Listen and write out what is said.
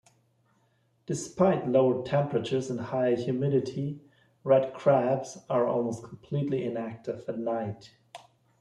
Despite lower temperatures and higher humidity, Red crabs are almost completely inactive at night.